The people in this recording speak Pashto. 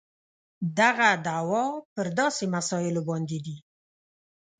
دغه دعوې پر داسې مسایلو باندې دي.